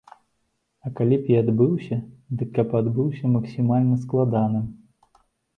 А калі б і адбыўся, дык каб адбыўся максімальна складаным.